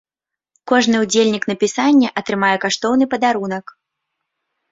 Кожны ўдзельнік напісання атрымае каштоўны падарунак.